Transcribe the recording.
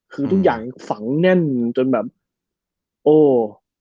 คือทุกอย่างฝังแน่นจนแบบโอ้